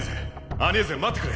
アニェーゼ待ってくれ。